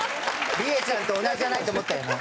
りえちゃんと同じじゃないと思ったよね？